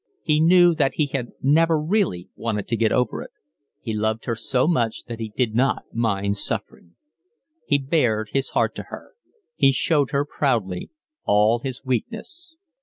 He knew that he had never really wanted to get over it. He loved her so much that he did not mind suffering. He bared his heart to her. He showed her proudly all his weakness.